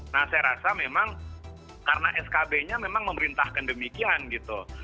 nah saya rasa memang karena skb nya memang memerintahkan demikian gitu